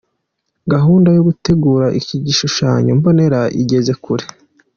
Gahunda yo gutegura iki gishushanyo mbonera igeze kure.